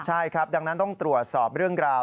ใช่ครับดังนั้นต้องตรวจสอบเรื่องราว